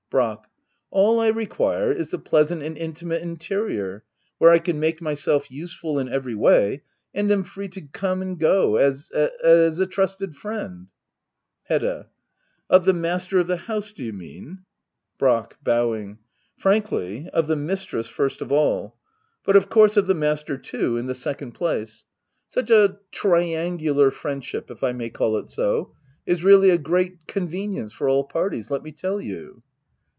Brack. All I require is a pleasant and intimate interior^ where I can make myself useful in every way^ and am free to come and go as — as a trusted friend Hedda. Of the master of the house, do you mean ? Brack. [Bofving,] Frankly — of the mistress first of all ; but of course of the master^ too, in the second Digitized by Google ACT II.] HEDDA OABLER. 71 place. Such a triangular friendship — if I maj call it so — is really a great convenience for all parties^ let me tell you.